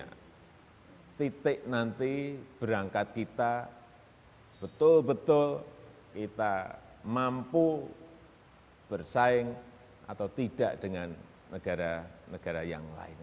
karena titik nanti berangkat kita betul betul kita mampu bersaing atau tidak dengan negara negara yang lain